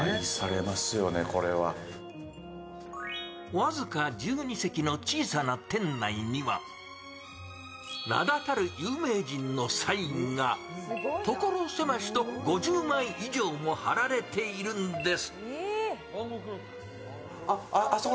僅か１２席の小さな店内には名だたる有名人のサインが所狭しと５０枚以上も貼られているんです。